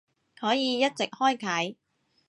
可以一直開啟